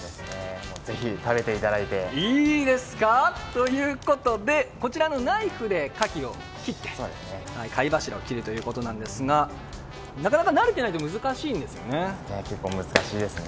ぜひ食べていただいて。ということでこちらのナイフで貝柱を切るということなんですがなかなか慣れてないと難しいんですよね。